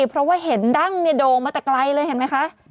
เพราะว่าเห็นดั้งเนี่ยโด่งมาแต่ไกลเลยเห็นไหมคะ